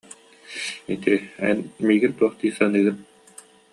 ити, эн, миигин туох дии саныыгын